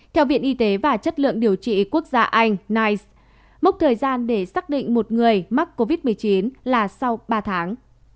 theo viện y tế và chất lượng điều trị quốc gia anh nice mốc thời gian để xác định một người mắc covid một mươi chín là sau ba tháng